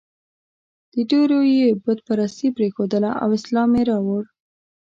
ډېرو یې بت پرستي پرېښودله او اسلام یې راوړ.